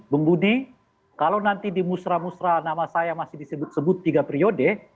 bung budi kalau nanti di musra musrah nama saya masih disebut sebut tiga periode